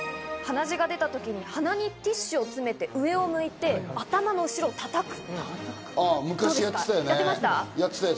鼻血が出たときに鼻にティッシュを詰めて上を向いて、頭の後ろ叩く。